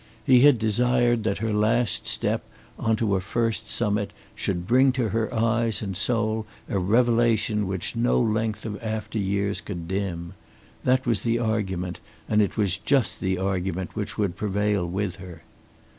He had desired that her last step on to her first summit should bring to her eyes and soul a revelation which no length of after years could dim. That was the argument, and it was just the argument which would prevail with her.